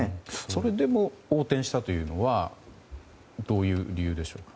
それでも横転したのはどういう理由でしょうか。